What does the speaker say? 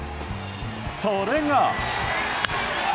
それが。